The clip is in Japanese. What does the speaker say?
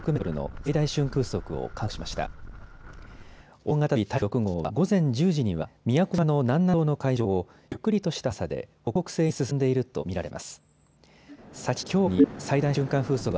大型で強い台風６号は午前１０時には宮古島の南南東の海上をゆっくりとした速さで北北西に進んでいると見られます。